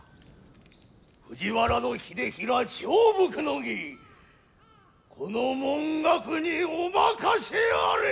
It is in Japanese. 藤原秀衡調伏の儀この文覚にお任せあれ！